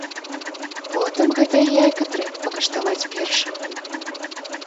Потым гэтае яйка трэба пакаштаваць першым.